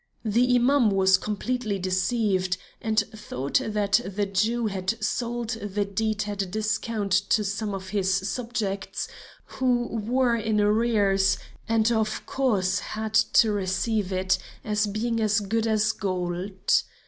The Imam was completely deceived, and thought that the Jew had sold the deed at a discount to some of his subjects who were in arrears, and of course had to receive it as being as good as gold.